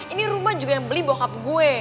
ini rumah juga yang beli bokap gue